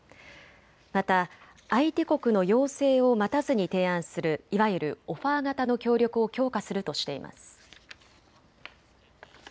また相手国の要請を待たずに提案するいわゆるオファー型の協力を強化するとしています。